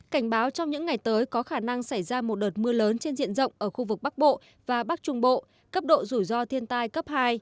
cảnh báo trong những ngày tới có khả năng xảy ra một đợt mưa lớn trên diện rộng ở khu vực bắc bộ và bắc trung bộ cấp độ rủi ro thiên tai cấp hai